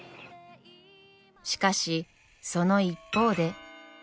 しかしその一方で。